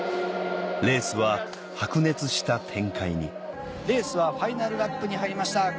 レースは白熱した展開にレースはファイナルラップに入りました。